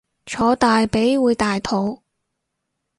坐大髀會大肚